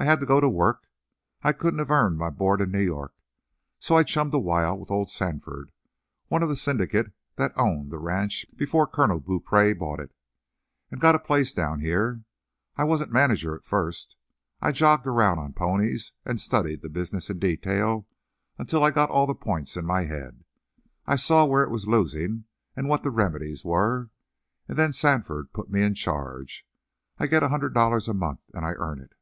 "I had to go to work. I couldn't have earned my board in New York, so I chummed a while with old Sandford, one of the syndicate that owned the ranch before Colonel Beaupree bought it, and got a place down here. I wasn't manager at first. I jogged around on ponies and studied the business in detail, until I got all the points in my head. I saw where it was losing and what the remedies were, and then Sandford put me in charge. I get a hundred dollars a month, and I earn it."